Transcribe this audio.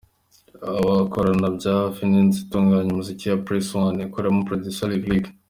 Akorana bya hafi n’inzu itunganya umuziki ya Press One ikoreramo “Producer” Lick Lick.